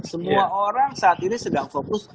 semua orang saat ini sedang fokus